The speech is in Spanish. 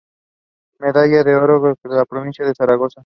Medalla de Oro de Ia Provincia de Zaragoza.